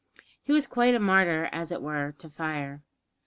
He was quite a martyr, as it were, to fire.